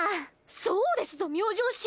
そうですぞ明星氏！